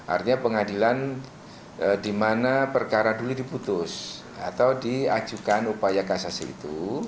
artinya pengadilan di mana perkara dulu diputus atau diajukan upaya kasasi itu